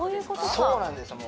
そうなんですよ